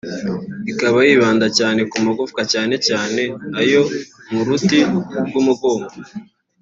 ikaba yibanda cyane ku magufwa cyane cyane ayo mu ruti rw’umugongo